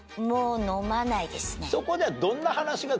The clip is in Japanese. そこでは。